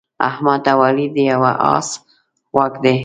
احمد او علي د یوه اس غوږ دي.